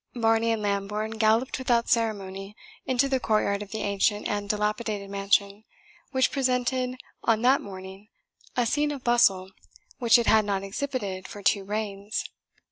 Varney and Lambourne galloped without ceremony into the courtyard of the ancient and dilapidated mansion, which presented on that morning a scene of bustle which it had not exhibited for two reigns.